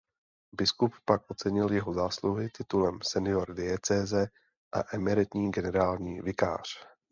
Biskup pak ocenil jeho zásluhy titulem senior diecéze a emeritní generální vikář.